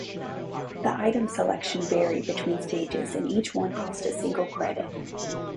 The item selection vary between stages and each one cost a single credit.